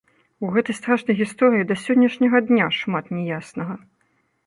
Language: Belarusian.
У гэтай страшнай гісторыі да сённяшняга дня шмат не яснага.